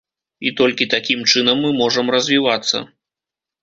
І толькі такім чынам мы можам развівацца.